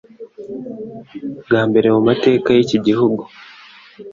bwa mbere mu mateka y'iki gihugu.